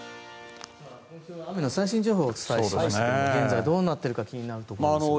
雨の最新情報をお伝えしますが現在どうなっているか気になるところですが。